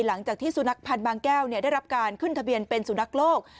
หลังจากที่สูณรักษณ์ภัณฑ์บางแก้วได้รับการขึ้นทะเบียนเป็นสูณรักษณ์โลก